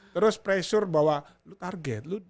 terus pressure bahwa lo target